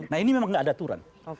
nah ini memang tidak ada aturan